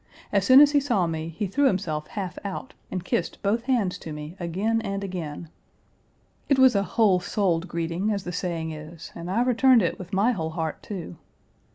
As soon as he saw me he threw himself half out and kissed both hands to me again and again. It was a whole souled greeting, as the saying is, and I returned it with my whole heart, too.